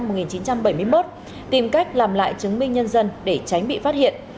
đàm văn thông sinh năm một nghìn chín trăm bảy mươi một tìm cách làm lại chứng minh nhân dân để tránh bị phát hiện